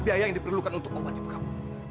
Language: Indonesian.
biaya yang diperlukan untuk obat itu kamu